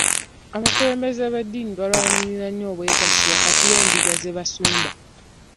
Abakulembeze b'eddiini balwanirira nnyo obwegassi wakati w'endiga ze basumba.